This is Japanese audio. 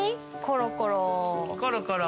コロコロ。